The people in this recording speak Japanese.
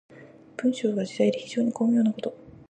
文章が自在で非常に巧妙なこと。